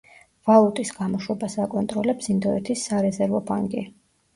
ვალუტის გამოშვებას აკონტროლებს ინდოეთის სარეზერვო ბანკი.